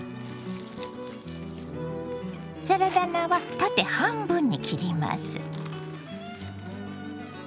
サラダ菜は縦半分に切ります。